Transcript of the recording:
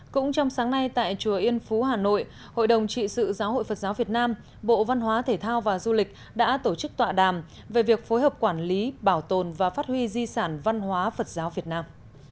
cũng trong sáng nay tại chùa yên phú hà nội hội đồng trị sự giáo hội phật giáo việt nam bộ văn hóa thể thao và du lịch đã tổ chức tọa đàm về việc phối hợp quản lý bảo tồn và phát huy di sản văn hóa phật giáo việt nam